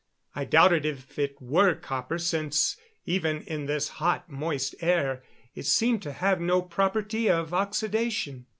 I doubted if it were copper, since even in this hot, moist air it seemed to have no property of oxidation.